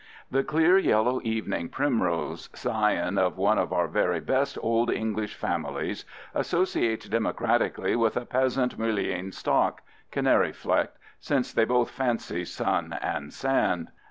The clear yellow evening primrose, scion of one of our very best old English families, associates democratically with a peasant mullein stalk, canary flecked, since they both fancy sun and sand.